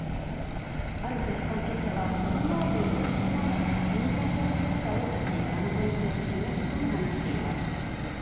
ある政府関係者は、その前に放出後のモニタリング結果を出し、安全性を示すとも話しています。